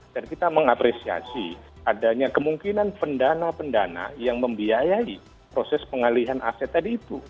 dan kita mengapresiasi adanya kemungkinan pendana pendana yang membiayai proses pengalihan aset tadi itu